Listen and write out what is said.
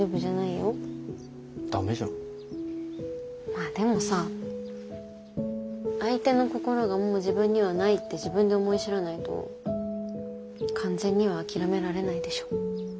まあでもさ相手の心がもう自分にはないって自分で思い知らないと完全には諦められないでしょ？